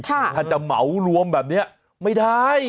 ถ้าจะเหมารวมแบบนี้ไม่ได้